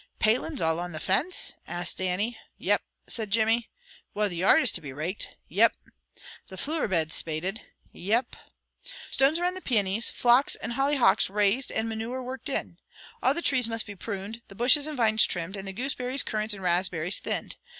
"Palins all on the fence?" asked Dannie. "Yep," said Jimmy. "Well, the yard is to be raked." "Yep." "The flooer beds spaded." "Yep." "Stones around the peonies, phlox, and hollyhocks raised and manure worked in. All the trees must be pruned, the bushes and vines trimmed, and the gooseberries, currants, and raspberries thinned.